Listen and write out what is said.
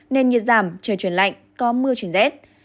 nên nhiệt giảm trời chuyển lạnh có mưa chuyển rét